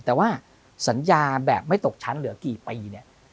แต่ว่าสัญญาแบบไม่ตกชั้นเหลือกี่ปีเนี่ย